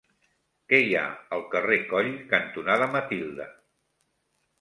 Què hi ha al carrer Coll cantonada Matilde?